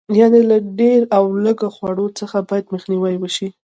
یعنې له ډېر او لږ خوړلو څخه باید مخنیوی وشي.